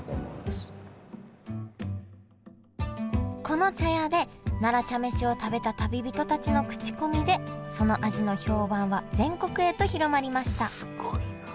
この茶屋で奈良茶飯を食べた旅人たちの口コミでその味の評判は全国へと広まりましたすごいな。